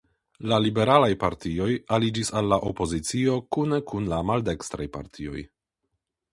La liberalaj partioj aliĝis al la opozicio kune kun la maldekstraj partioj.